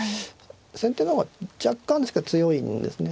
先手の方が若干ですけど強いんですね。